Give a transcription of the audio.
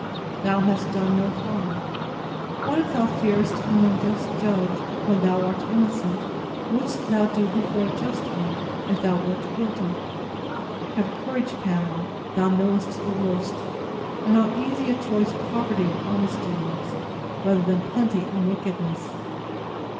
Thou hast done no harm! What, if thou fearest an unjust judge, when thou art innocent, would'st thou do before a just one, if thou wert guilty? Have courage, Pamela, thou knowest the worst! And how easy a choice poverty and honesty is, rather than plenty and wickedness.